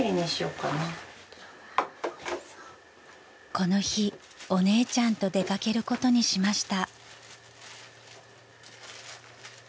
［この日お姉ちゃんと出掛けることにしました］